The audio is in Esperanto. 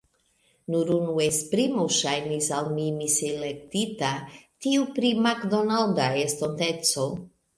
Nur unu esprimo ŝajnis al mi miselektita: tiu pri makdonalda estonteco.